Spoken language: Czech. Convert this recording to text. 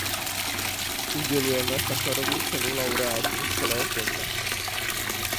Udělujeme Sacharovovu cenu laureátům z celého světa.